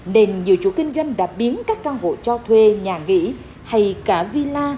nên nhiều chủ kinh doanh đã biến các căn hộ cho thuê nhà nghỉ hay cả villa